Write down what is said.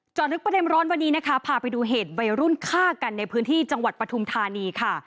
ลึกประเด็นร้อนวันนี้นะคะพาไปดูเหตุวัยรุ่นฆ่ากันในพื้นที่จังหวัดปฐุมธานีค่ะ